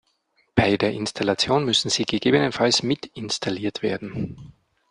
Bei der Installation müssen sie gegebenenfalls mit installiert werden.